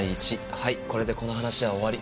はいこれでこの話は終わり。